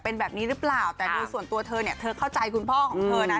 เป็นแบบนี้หรือเปล่าแต่โดยส่วนตัวเธอเนี่ยเธอเข้าใจคุณพ่อของเธอนะ